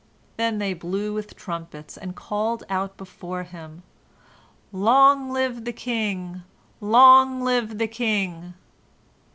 Then they blew with trumpets, and called out before him: "Long live the king! Long live the king!"